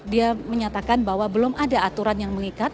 dia menyatakan bahwa belum ada aturan yang mengikat